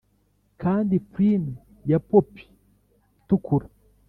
kandi plume ya poppy itukura: